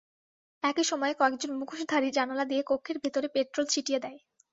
একই সময়ে কয়েকজন মুখোশধারী জানালা দিয়ে কক্ষের ভেতরে পেট্রল ছিটিয়ে দেয়।